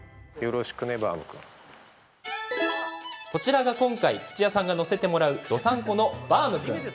こちらが今回土屋さんが乗せてもらうどさんこのバウム君。